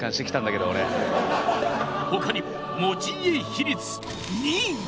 ほかにも持ち家比率２位。